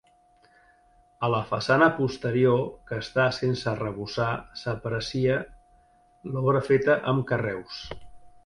A la façana posterior, que està sense arrebossar, s'aprecia l'obra feta amb carreus.